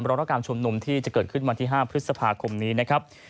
เพราะการชุมนุมที่จะเกิดขึ้นวันที่๕พฤษภาคมนี้นะครับ